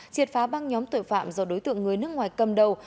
triệt phá băng nhóm tội phạm do đối tượng người nước ngoài cầm đầu